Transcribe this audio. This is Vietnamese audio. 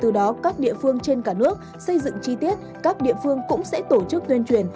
từ đó các địa phương trên cả nước xây dựng chi tiết các địa phương cũng sẽ tổ chức tuyên truyền